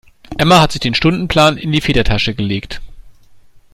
Emma hat sich den Stundenplan in die Federtasche gelegt.